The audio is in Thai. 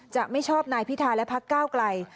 จะไม่ชอบนายพิธาและพักก้าวไกล